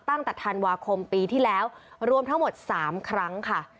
ตั้งแต่ธันวาคมปีที่แล้วรวมทั้งหมด๓ครั้งค่ะ